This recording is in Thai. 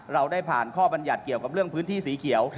เราได้ผ่านข้อบรรยัติเกี่ยวกับเรื่องพื้นที่สีเขียว